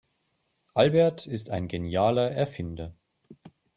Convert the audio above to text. Albert ist ein genialer Erfinder.